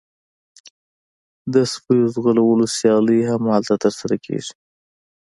د سپیو ځغلولو سیالۍ هم هلته ترسره کیږي